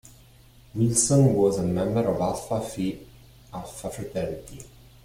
Wilson was a member of Alpha Phi Alpha fraternity.